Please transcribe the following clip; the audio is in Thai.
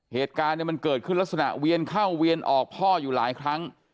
เหตุการณ์มันเกิดขึ้นลักษณะเวียนเข้าเวียนออกพ่ออยู่หลายครั้ง